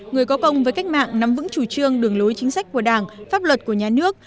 người có công với cách mạng nắm vững chủ trương đường lối chính sách của đảng pháp luật của nhà nước